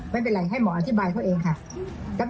ไม่เป็นไรให้หมออธิบายเขาเองค่ะ